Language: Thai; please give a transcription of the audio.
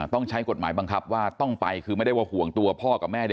ต้องใช้กฎหมายบังคับว่าต้องไปคือไม่ได้ว่าห่วงตัวพ่อกับแม่เด็ก